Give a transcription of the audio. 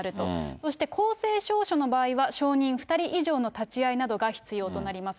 そして公正証書の場合は、証人２人以上の立ち会いなどが必要となります。